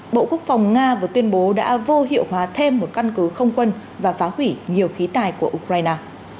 bộ quốc phòng nga vừa tuyên bố đã vô hiệu hóa thêm một căn cứ không quân và phá hủy nhiều khí tài của ukraine